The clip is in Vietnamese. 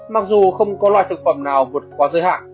mặc dù không có loại thực phẩm nào vượt qua giới hạn